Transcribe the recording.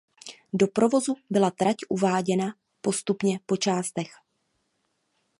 Do provozu byla trať uváděna postupně po částech.